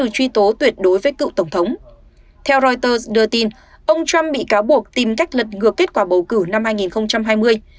theo reuters đưa tin ông trump bị cáo buộc tìm cách lật ngược kết quả bầu cử năm hai nghìn hai mươi